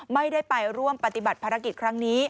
ไม่ได้ไปร่วมปฏิบัติภารกิจครั้งนี้